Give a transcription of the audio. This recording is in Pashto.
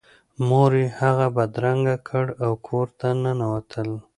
مور یې هغه بدرګه کړ او کور ته ننوتل